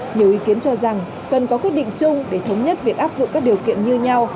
nhiều ý kiến cho rằng cần có quyết định chung để thống nhất việc áp dụng các điều kiện như nhau